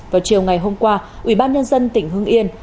vào chiều ngày hôm qua ubnd tỉnh hưng yên